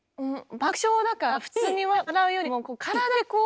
爆笑だから普通に笑うよりも体でこう。